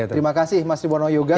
terima kasih mas riwono yoga